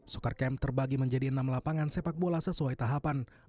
soccer camp terbagi menjadi enam lapangan sepak bola sesuai tahapan